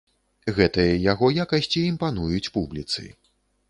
Гэтыя яго якасці імпануюць публіцы.